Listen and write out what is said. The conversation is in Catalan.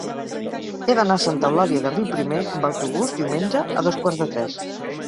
He d'anar a Santa Eulàlia de Riuprimer amb autobús diumenge a dos quarts de tres.